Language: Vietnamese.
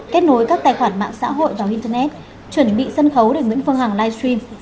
kết nối các tài khoản mạng xã hội vào internet chuẩn bị sân khấu để nguyễn phương hằng livestream